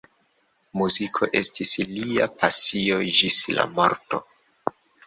Muziko estis lia pasio ĝis la morto.